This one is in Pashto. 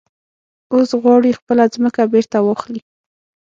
اوس غواړي خپله ځمکه بېرته واخلي.